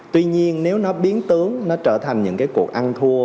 tuy nhiên nếu nó biến tướng nó trở thành những cái cuộc ăn thua